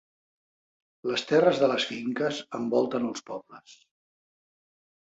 Les terres de les finques envolten els pobles.